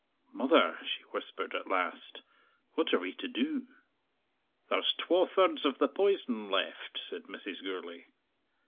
"Mother," she whispered at last, "what are we to do?" "There's twa thirds of the poison left," said Mrs. Gourlay.